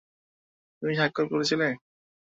তুমি স্বাক্ষর করেছিলে?